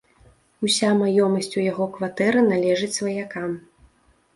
Уся маёмасць у яго кватэры належыць сваякам.